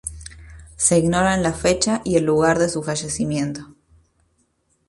Se ignoran la fecha y lugar de su fallecimiento.